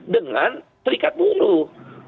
dengan perikat buruh